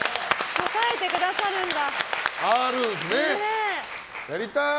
答えてくださるんだ。